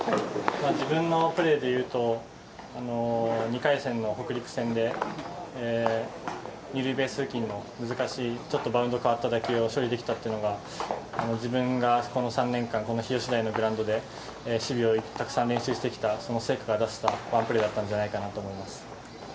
自分のプレーでいうと、２回戦の北陸戦で２塁ベース付近の難しいちょっとバウンド変わった打球を処理できたっていうのが自分がこの３年、この日吉グラウンドで守備をたくさん練習してきたその成果が出せたワンプレーだったんじゃないかなと思います。